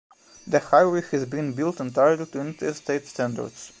The highway has been built entirely to Interstate standards.